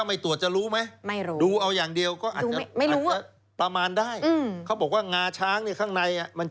เออเพราะว่าทำไมตรวจจะรู้ไหม